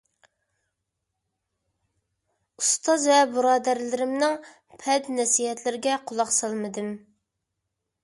ئۇستاز ۋە بۇرادەرلىرىمنىڭ پەند - نەسىھەتلىرىگە قۇلاق سالمىدىم.